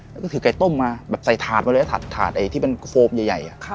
แล้วก็ถือไก่ต้มมาแบบใส่ถาดมาเลยถาดที่เป็นโฟมใหญ่